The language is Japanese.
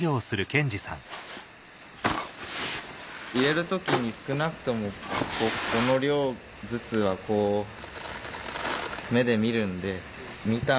入れる時に少なくともこの量ずつはこう目で見るんで。